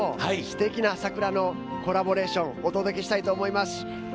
すてきな桜のコラボレーションお届けしたいと思います。